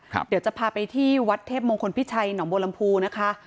ค่ะเดี๋ยวจะพาไปที่วัดเทพมงคลพิชัยหนองโบรัมภูร์นะคะ